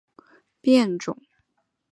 五脉毛叶槭为槭树科槭属下的一个变种。